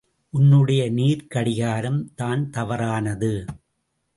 உன்னுடைய நீர்க் கடிகாரம் தான் தவறானது.